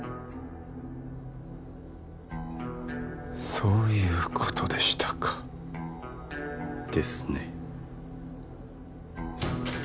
そういうことでしたかですね